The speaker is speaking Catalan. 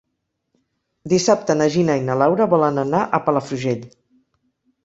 Dissabte na Gina i na Laura volen anar a Palafrugell.